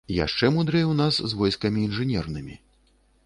Яшчэ мудрэй у нас з войскамі інжынернымі.